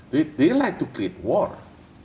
mereka ingin membuat perang